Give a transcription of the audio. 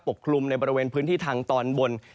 กลุ่มในบริเวณพื้นที่ทางตอนบน